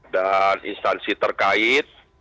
dan instansi terkait